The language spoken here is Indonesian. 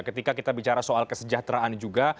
ketika kita bicara soal kesejahteraan juga